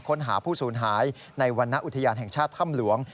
ค้นหาผู้สูญหายในวรรณอุทยานแห่งชาติถ้ำหลวง